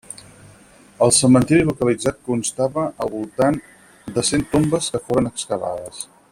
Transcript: El cementiri localitzat constava al voltant de cent tombes que foren excavades.